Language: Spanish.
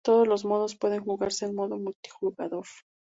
Todos los modos pueden jugarse en modo multijugador.